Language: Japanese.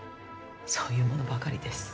そういうものばかりです。